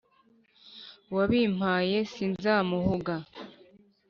Uwabimpaye sinzamuhuga.